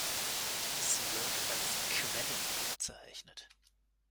Dies wird als Quellen bezeichnet.